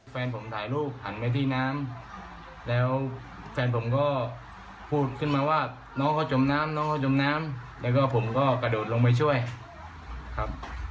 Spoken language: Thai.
แฟนผมถ่ายรูปหันไปที่น้ำแล้วแฟนผมก็พูดขึ้นมาว่าน้องเขาจมน้ำน้องเขาจมน้ำแล้วก็ผมก็กระโดดลงไปช่วยครับ